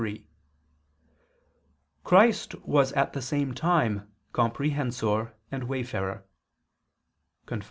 3: Christ was at the same time comprehensor and wayfarer [*Cf.